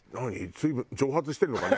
水分蒸発してるのかね？